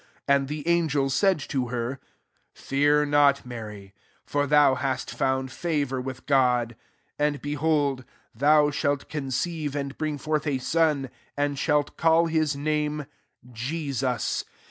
30 And the angel said to her, ^ Fear noty Mary : for thou hasi found favour with God. 31 And beholdy thou shalt conceive and bring forth a son^ and shalt call his name Jbsus.